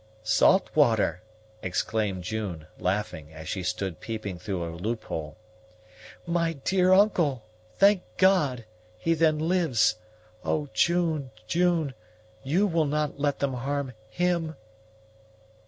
"Saltwater!" exclaimed June, laughing, as she stood peeping through a loophole. "My dear uncle! Thank God! he then lives! Oh, June, June, you will not let them harm _him?